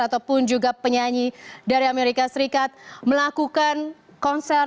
ataupun juga penyanyi dari amerika serikat melakukan konser